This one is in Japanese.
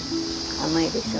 甘いでしょ？